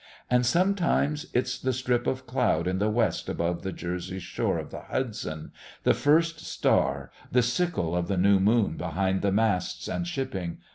And sometimes it's the strip of cloud in the west above the Jersey shore of the Hudson, the first star, the sickle of the new moon behind the masts and shipping.